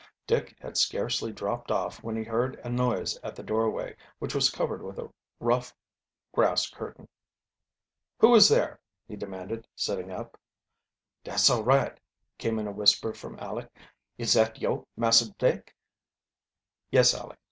Dick had scarcely dropped off when he heard a noise at the doorway, which was covered with a rough grass curtain. "Who is there?" he demanded, sitting up. "Dat's all right," came in a whisper from Aleck. "Is dat yo', Massah Dick?" "Yes, Aleck.